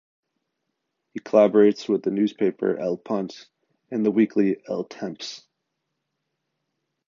He collaborates with the newspaper “El Punt” and the weekly “El Temps”.